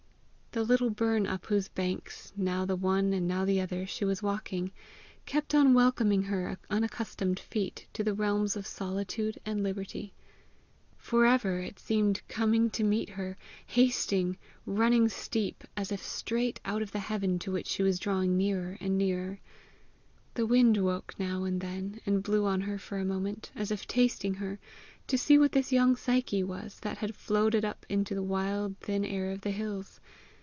The little burn up whose banks, now the one and now the other, she was walking, kept on welcoming her unaccustomed feet to the realms of solitude and liberty. For ever it seemed coming to meet her, hasting, running steep, as if straight out of the heaven to which she was drawing nearer and nearer. The wind woke now and then, and blew on her for a moment, as if tasting her, to see what this young Psyche was that had floated up into the wild thin air of the hills.